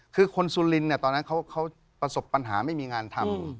คือคนสุรินตอนนั้นเขาประสบปัญหาไม่มีงานทำ